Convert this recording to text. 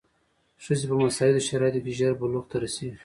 ښځې په مساعدو شرایطو کې ژر بلوغ ته رسېږي.